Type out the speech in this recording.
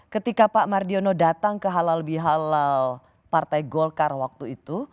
ketika pak mardiono datang ke halal bihalal partai golkar waktu itu